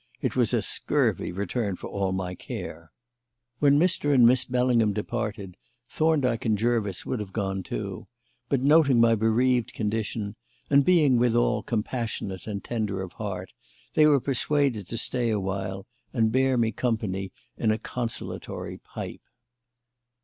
It was a scurvy return for all my care. When Mr. and Miss Bellingham departed, Thorndyke and Jervis would have gone too; but noting my bereaved condition, and being withal compassionate and tender of heart, they were persuaded to stay awhile and bear me company in a consolatory pipe.